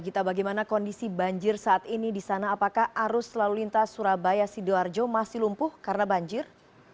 gita bagaimana kondisi banjir saat ini di sana apakah arus lalu lintas surabaya sidoarjo masih lumpuh karena banjir